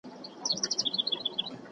د پاچا تر غوږه نه ور رسېدله